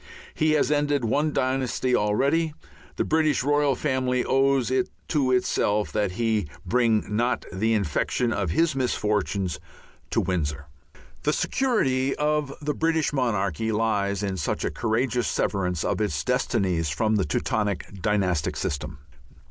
He has ended one dynasty already. The British royal family owes it to itself, that he bring not the infection of his misfortunes to Windsor. The security of the British monarchy lies in such a courageous severance of its destinies from the Teutonic dynastic system.